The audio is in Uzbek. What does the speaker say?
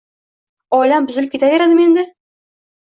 Oilam buzilib ketaveradimi endi